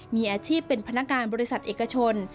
มีอาชีพเป็นพนักงานบริษัทเอกชน